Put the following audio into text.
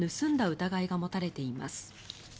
疑いが持たれています。